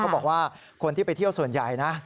บอกว่าคนที่ไปเที่ยวส่วนใหญ่นะ